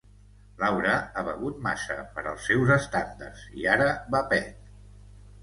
Laura ha begut massa, per als seus estàndards, i ara va pet.